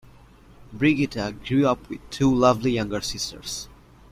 Brigitta grew up with two lovely younger sisters.